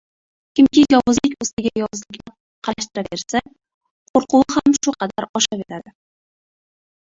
Kimki yovuzlik ustiga yovuzlikni qalashtiraversa, qo‘rquvi ham shu qadar oshaveradi.